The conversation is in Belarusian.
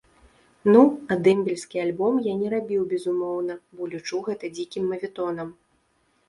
Ну, а дэмбельскі альбом я не рабіў безумоўна, бо лічу гэта дзікім маветонам.